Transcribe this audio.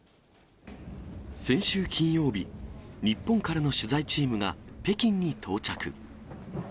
先週金曜日、日本からの取材チームが北京に到着。